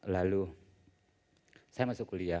lalu saya masuk kuliah tahun sembilan puluh delapan